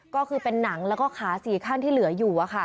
ก็คือเป็นหนังแล้วก็ขา๔ขั้นที่เหลืออยู่